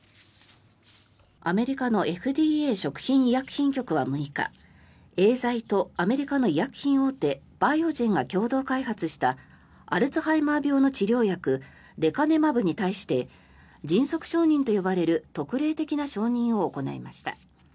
アメリカのＦＤＡ・食品医薬品局は６日エーザイとアメリカの医薬品大手バイオジェンが共同開発したアルツハイマー病の治療薬レカネマブに対して迅速承認と呼ばれる特例的な承認を行いました。